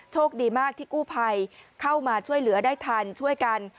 โชคดีมากที่กู้ภัยเข้ามาช่วยเหลือได้ทันช่วยกัน